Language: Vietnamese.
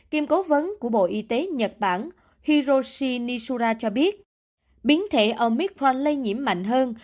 kiêm cố vấn của bộ y tế nhật bản hiroshi nisura cho biết biến thể omicran lây nhiễm mạnh hơn